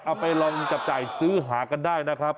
เอาไปลองจับจ่ายซื้อหากันได้นะครับ